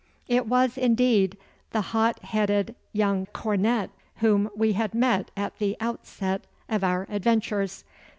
It was, indeed, the hot headed young comet whom we had met at the outset of our adventures.